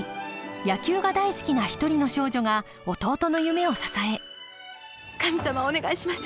野球が大好きな一人の少女が弟の夢を支え神様お願いします。